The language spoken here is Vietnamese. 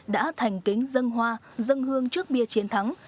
đã thành kính dân hoa dân hương trước bia chiến thắng